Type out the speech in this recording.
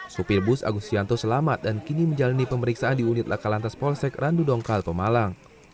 supir bus agus yanto selamat dan kini menjalani pemeriksaan di unit lakalantas polsek randu dongkal pemalang